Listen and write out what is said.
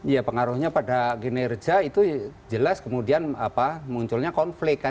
ya pengaruhnya pada kinerja itu jelas kemudian munculnya konflik